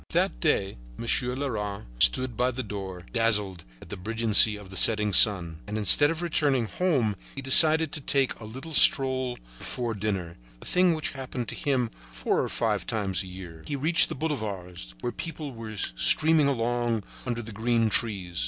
That day Monsieur Leras stood by the door, dazzled at the brilliancy of the setting sun; and instead of returning home he decided to take a little stroll before dinner, a thing which happened to him four or five times a year. He reached the boulevards, where people were streaming along under the green trees.